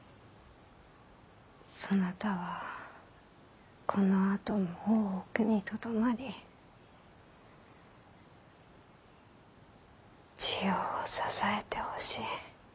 そなたはこのあとも大奥にとどまり千代を支えてほしい。